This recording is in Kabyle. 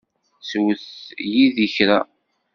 Swet yid-i kra.